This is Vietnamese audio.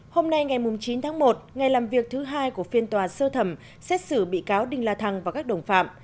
hôm nay ngày chín tháng một ngày làm việc thứ hai của phiên tòa sơ thẩm xét xử bị cáo đinh la thăng và các đồng phạm